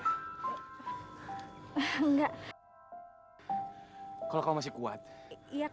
meski besarnya sakit arrogantu kuat lagi